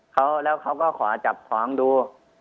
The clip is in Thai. เขาแล้วเขาก็ขอจับท้องดู